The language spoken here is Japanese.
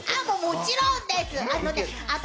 もちろんです阿部